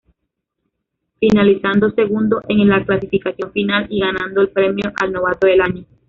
Finalizando segundo en la clasificación final y ganando el premio al novato del año.